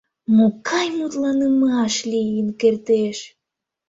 — Могай мутланымаш лийын кертеш!